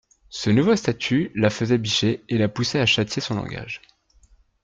Ce nouveau statut la faisait bicher et la poussait à châtier son langage.